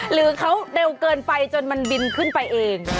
หรือเขาเร็วเกินไปจนมันบินขึ้นไปเอง